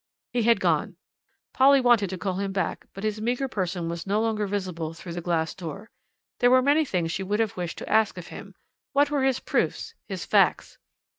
He had gone. Polly wanted to call him back, but his meagre person was no longer visible through the glass door. There were many things she would have wished to ask of him what were his proofs, his facts?